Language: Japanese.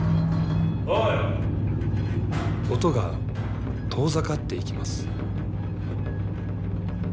音が遠ざかっていきます。